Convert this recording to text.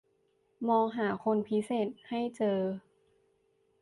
มองหาคนพิเศษให้เจอ